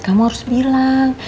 kamu harus bilang